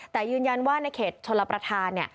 แต่ยืนยันว่าในเขตชลประธาน